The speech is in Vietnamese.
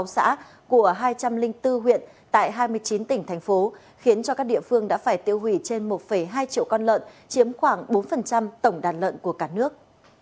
một mươi sáu xã của hai trăm linh bốn huyện tại hai mươi chín tỉnh thành phố khiến cho các địa phương đã phải tiêu hủy trên một hai triệu con lợn chiếm khoảng bốn tổng đàn lợn của cả nước